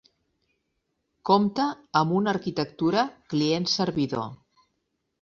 Compta amb una arquitectura client-servidor.